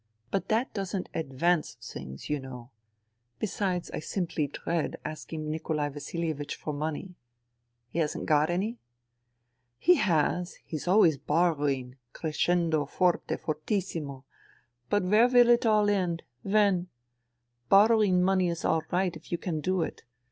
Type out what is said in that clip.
But that doesn't advance things, you understand. Besides, I simply dread asking Nikolai Vasilievich for money." " He hasn't got any ?"" He has. He's always borrowing — crescendo , jorte, fortissimo ! But where will it end ? When ? Borrowing money is all right if you can do it.